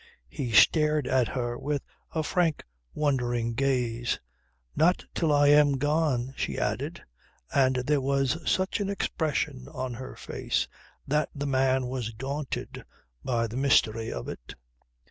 He stared at her with a frank wondering gaze. "Not till I am gone," she added, and there was such an expression on her face that the man was daunted by the mystery of it.